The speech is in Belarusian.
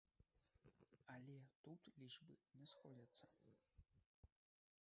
Але тут лічбы не сходзяцца.